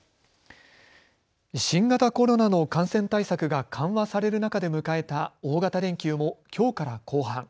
新型コロナの感染対策が緩和される中で迎えた大型連休もきょうから後半。